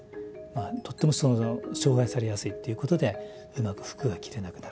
とっても障害されやすいっていうことでうまく服が着れなくなる。